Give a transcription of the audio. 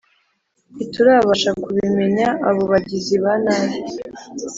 ntiturabasha kubimenya abo bagizi banabi